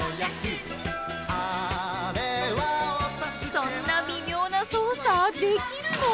そんな微妙な操作できるの？